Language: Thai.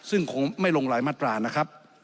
ซึ่งคงไม่ลงหลายมาตรานะครับ